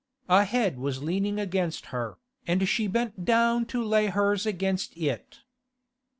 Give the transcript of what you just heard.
A head was leaning against her, and she bent down to lay hers against it.